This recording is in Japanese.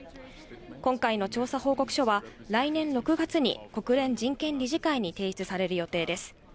今回の調査報告書は、来年６月に国連人権理事会に提出される予定です。